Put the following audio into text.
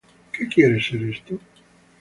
¿Qué quiere ser esto?